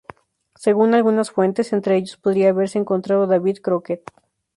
Según algunas fuentes, entre ellos podría haberse encontrado David Crockett.